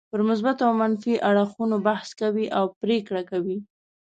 پر مثبتو او منفي اړخونو بحث کوي او پرېکړه کوي.